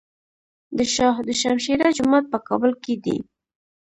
د شاه دوشمشیره جومات په کابل کې دی